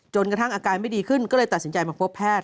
กระทั่งอาการไม่ดีขึ้นก็เลยตัดสินใจมาพบแพท